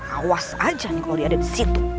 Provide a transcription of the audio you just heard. awas aja nih kalau dia ada di situ